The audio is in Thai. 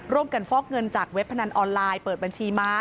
ฟอกเงินจากเว็บพนันออนไลน์เปิดบัญชีม้า